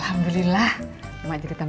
maksudnya nanti sampai hari johan